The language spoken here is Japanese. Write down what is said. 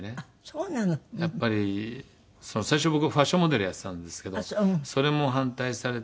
最初僕ファッションモデルやってたんですけどそれも反対されて。